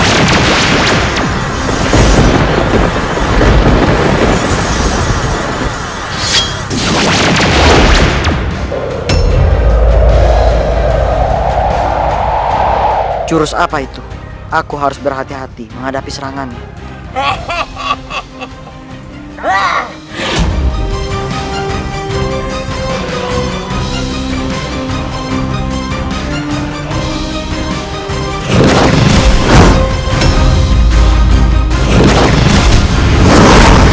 kian santang harus berhadapan dengan nyirompang